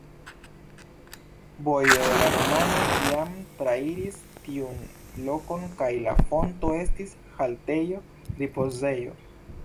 Vojo de la romianoj jam trairis tiun lokon kaj la fonto estis haltejo, ripozejo.